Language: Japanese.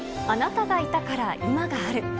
あなたがいたから今がある。